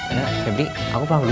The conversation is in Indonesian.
ibu aku pulang dulu ya